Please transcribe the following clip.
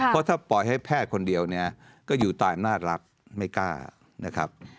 เพราะถ้าปล่อยให้แพทย์คนเดียวก็อยู่ตามนาฬักษณ์ไม่กล้านะครับ